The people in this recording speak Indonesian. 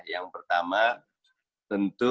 yang pertama tentu